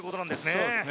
そうですね